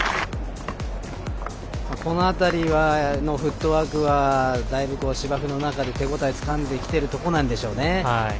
この辺りのフットワークはだいぶ、芝生の中で手応えをつかんできてるところなんでしょうね。